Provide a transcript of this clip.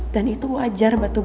dan itu wajar batu bata